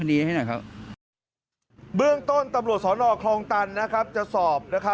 เบื้องต้นตบสนของตันจะสอบ